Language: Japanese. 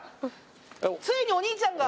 ついにお兄ちゃんが。